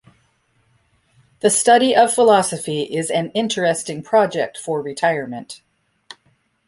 The study of philosophy is an interesting project for retirement.